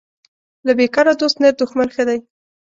له بیکاره دوست نر دښمن ښه دی